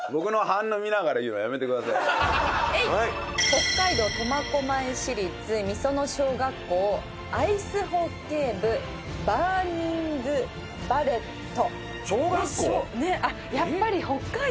北海道、苫小牧市立、美園小学校アイスホッケー部バーニングバレット。